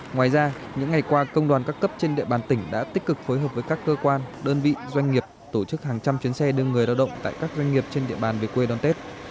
ngoài ra những ngày qua công đoàn các cấp trên địa bàn tỉnh đã tích cực phối hợp với các cơ quan đơn vị doanh nghiệp tổ chức hàng trăm chuyến xe đưa người lao động tại các doanh nghiệp trên địa bàn về quê đón tết